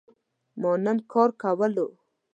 ما نن کار کولو